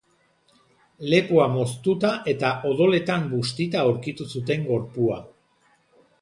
Lepoa moztuta eta odoletan bustita aurkitu zuten gorpua.